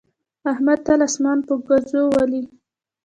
احمد تل اسمان په ګوزو ولي.